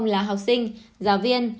là học sinh giáo viên